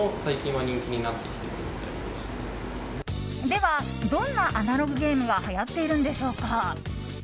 では、どんなアナログゲームがはやっているんでしょうか。